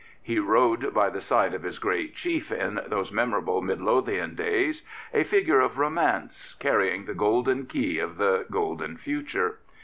He rode by the side of his great chief in those memorable Midlothian days, a figure of romance carrying the golden key of the golden future.